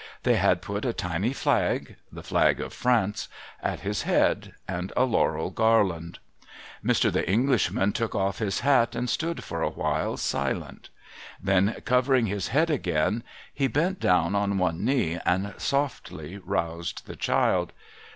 They had put a tiny flag (the flag of France) at his head, and a laurel garland. Mr. The Englishman took off his hat, and stood for a while silent. Then, covering his head again, he bent down on one knee, and softly roused the child.